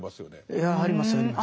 いやありますあります。